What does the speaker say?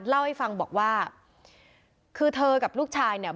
เล่าให้ฟังบอกว่าคือเธอกับลูกชายเนี่ย